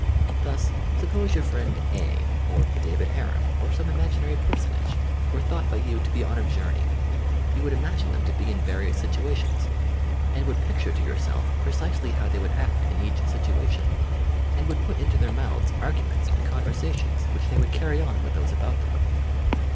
Thus, suppose your friend "A" or David Ha rum, or some imaginary personage, were thought by you to be on a journey. You would imagine them to be in various situations, and would picture to ^f yourse] THE SUBCONSCIOUS 43 yourself precisely how they would act in each situation, and would put into their months arguraents and con versations which they would carry on with those ahout them.